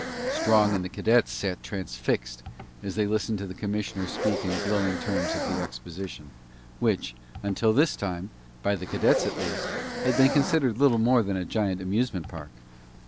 Strong and the cadets sat transfixed as they listened to the commissioner speak in glowing terms of the exposition, which, until this time, by the cadets at least, had been considered little more than a giant amusement park.